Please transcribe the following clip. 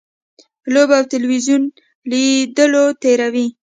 لوبو او تلویزیون لیدلو تېروي.